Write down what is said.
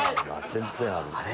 全然ある。